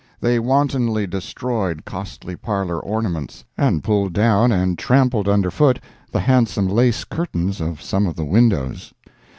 They wantonly destroyed costly parlor ornaments, and pulled down and trampled under foot the handsome lace curtains of some of the windows.